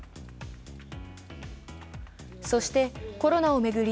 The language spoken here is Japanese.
そして、コロナを巡り